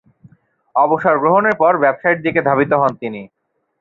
অবসর গ্রহণের পর ব্যবসায়ের দিকে ধাবিত হন তিনি।